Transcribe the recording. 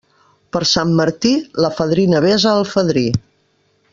Per Sant Martí, la fadrina besa el fadrí.